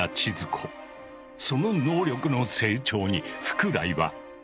その能力の成長に福来は。